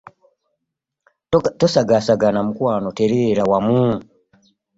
Tosagaasagana mukwano tereera wamu.